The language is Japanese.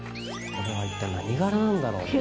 これは一体何柄なんだろうね。